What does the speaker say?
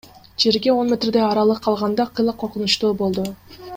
Жерге он метрдей аралык калганда кыйла коркунучтуу болду.